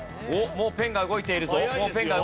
もうペンが動いている。